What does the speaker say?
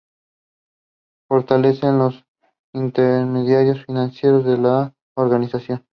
Fortalecer a los intermediarios financieros de la organización.